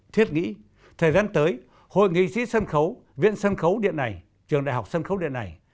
thiết nghĩ thời gian tới hội nghị sĩ sân khấu viện sân khấu điện ảnh trường đại học sân khấu điện ảnh